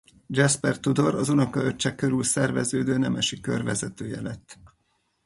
Jasper Tudor az unokaöccse körül szerveződő nemesi kör vezetője lett.